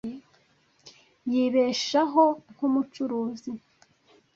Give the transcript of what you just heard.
Yibeshaho nkumucuruzi.